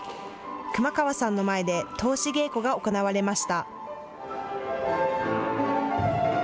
熊川さんの前で通し稽古が行われました。